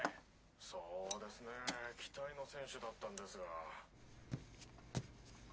そうですね期待の選手だったんですが。